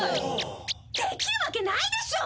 できるわけないでしょう！